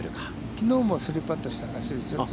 きのうも３パットしたらしいですよ。